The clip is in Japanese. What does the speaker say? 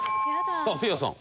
さあせいやさん